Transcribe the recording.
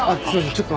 ちょっと。